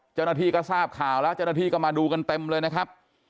เจ้าหน้าที่ก็ทราบข่าวแล้วเจ้าหน้าที่ก็มาดูกันเต็มเลยนะครับ